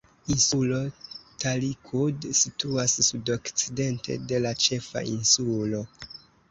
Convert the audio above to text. Insulo Talikud situas sudokcidente de la ĉefa insulo.